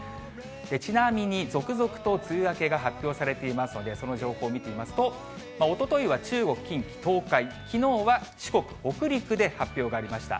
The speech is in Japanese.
ちなみに続々と梅雨明けが発表されていますので、その情報を見てみますと、おとといは中国、近畿、東海、きのうは四国、北陸で発表がありました。